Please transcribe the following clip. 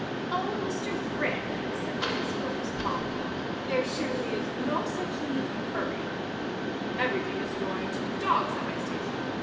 "Oh! Mr. Brandon," said Mrs. Phillips, calmly, "there surely is no such need for hurry." "Everything is going to the dogs at my station.